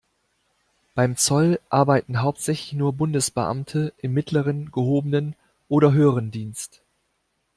Beim Zoll arbeiten hauptsächlich nur Bundesbeamte im mittleren, gehobenen oder höheren Dienst.